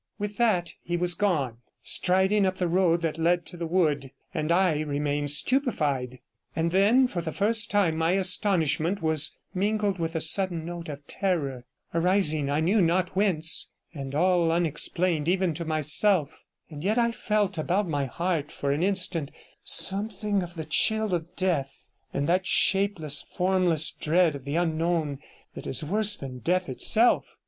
With that he was gone, striding up the road that led to the wood, and I remained stupefied; and then for the first time my astonishment was mingled with a sudden note of terror, arising I knew not whence, and all unexplained even to myself, and yet I felt about my heart for an instant something of the chill of death, and that shapeless, formless dread of the unknown that is worse than death itself.